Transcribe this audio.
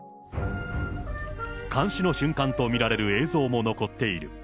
監視の瞬間と見られる映像も残っている。